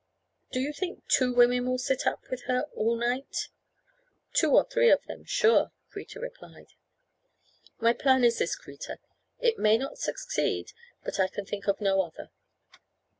"Do you think two women will sit up with her all night?" "Two or three of them, sure," Kreta replied. "My plan is this, Kreta; it may not succeed, but I can think of no other.